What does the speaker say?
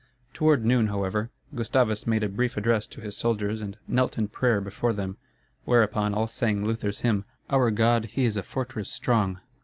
Toward noon, however, Gustavus made a brief address to his soldiers and knelt in prayer before them, whereupon all sang Luther's hymn, "Our God he is a fortress strong."